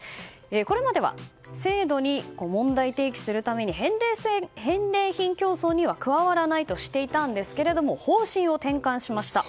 これまでは制度に問題提起するために返礼品競争には加わらないとしていたんですが方針を転換しました。